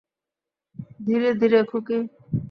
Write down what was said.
ধীরে, ধীরে খুকি।